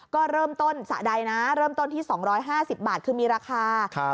ก็เริ่มต้นสระใดนะเริ่มต้นที่๒๕๐บาทคือมีราคา